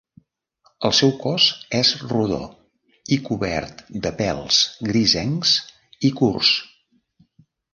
El seu cos és rodó i cobert de pèls grisencs i curts.